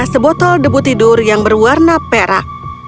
sebotol debu tidur yang berwarna perak